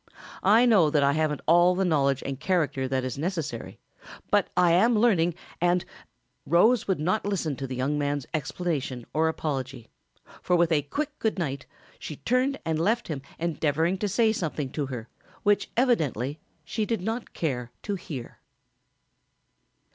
I know that I haven't all the knowledge and character that is necessary, but I am learning, and " Rose would not listen to the young man's explanation or apology, for with a quick good night she turned and left him endeavoring to say something to her which evidently she did not care to hear.